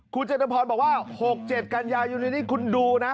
คุณจตุพรบอกว่า๖๗กันยายนนี้คุณดูนะ